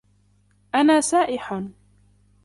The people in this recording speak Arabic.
أنا سائح.